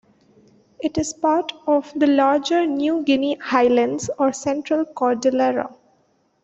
It is part of the larger New Guinea Highlands or Central Cordillera.